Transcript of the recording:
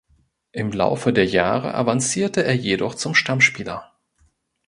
Im Laufe der Jahre avancierte er jedoch zum Stammspieler.